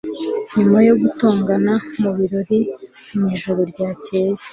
nyuma yo gutongana mubirori mwijoro ryakeye